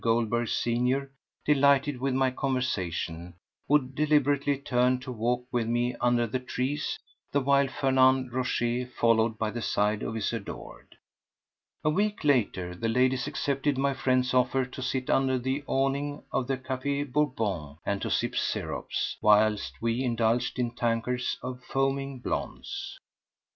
Goldberg senior, delighted with my conversation, would deliberately turn to walk with me under the trees the while Fernand Rochez followed by the side of his adored. A week later the ladies accepted my friend's offer to sit under the awning of the Café Bourbon and to sip sirops, whilst we indulged in tankards of foaming "blondes."